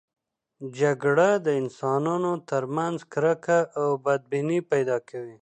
جګړه د انسانانو ترمنځ کرکه او بدبیني پیدا کوي.